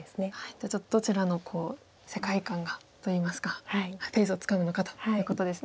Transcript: じゃあちょっとどちらの世界観がといいますかペースをつかむのかということですね。